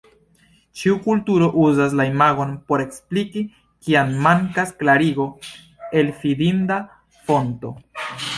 Ĉiu kulturo uzas la imagon por ekspliki, kiam mankas klarigo el fidinda fonto.